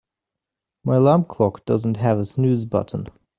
My alarm clock doesn't have a snooze button.